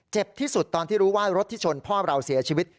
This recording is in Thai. ที่สุดตอนที่รู้ว่ารถที่ชนพ่อเราเสียชีวิต